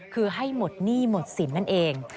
คือให้หมดหนี้หมดสินนั่นเอง